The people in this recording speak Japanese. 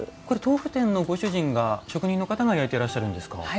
これ豆腐店のご主人が職人の方が焼いてらっしゃるんですか？